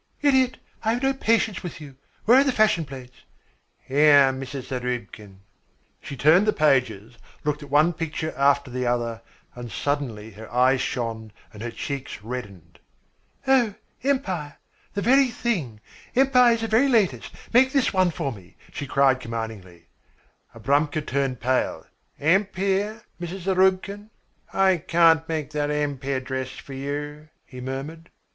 "Idiot! I have no patience with you. Where are the fashion plates?" "Here, Mrs. Zarubkin." She turned the pages, looked at one picture after the other, and suddenly her eyes shone and her cheeks reddened. "Oh, Empire! The very thing. Empire is the very latest. Make this one for me," she cried commandingly. Abramka turned pale. "Ampeer, Mrs. Zarubkin? I can't make that Ampeer dress for you," he murmured.